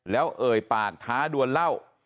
แล้วเอ่ยปากท้าดวนเหล้า